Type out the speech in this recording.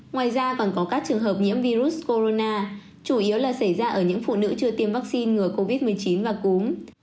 ngoài ra còn có các trường hợp nhiễm virus corona chủ yếu là xảy ra ở những phụ nữ chưa tiêm vaccine ngừa covid một mươi chín và cúm